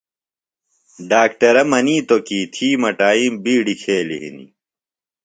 ڈاکٹرہ منِیتوۡ کیۡ تھی مٹائیم بِیڈیۡ کھیلیۡ ہِنیۡ